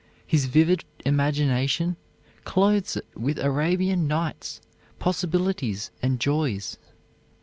His vivid imagination clothes it with Arabian Nights possibilities and joys.